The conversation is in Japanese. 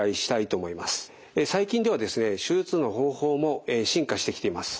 最近ではですね手術の方法も進化してきています。